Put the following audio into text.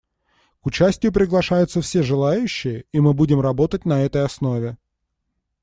К участию приглашаются все желающие, и мы будем работать на этой основе.